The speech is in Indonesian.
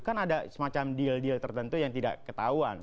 kan ada semacam deal deal tertentu yang tidak ketahuan